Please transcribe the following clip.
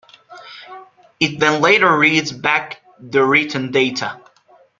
It then later reads back the written data.